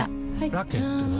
ラケットは？